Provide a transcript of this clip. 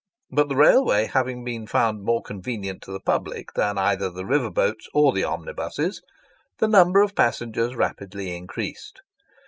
But the railway having been found more convenient to the public than either the river boats or the omnibuses, the number of passengers rapidly increased.